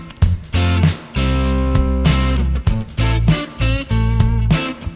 มันก็ไม่มี